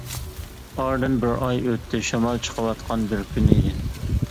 ئارىدىن بىر ئاي ئۆتتى، شامال چىقىۋاتقان بىر كۈن ئىدى.